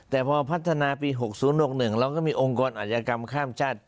แต่พอพัฒนาปี๖๐๖๑เราก็มีองค์กรอาธิกรรมข้ามชาติ